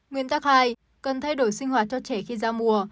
nguyên tắc hai cần thay đổi sinh hoạt cho trẻ khi ra mùa